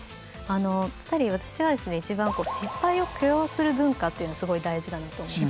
やっぱり私はですね一番失敗を許容する文化っていうのがすごい大事だなと思ってて。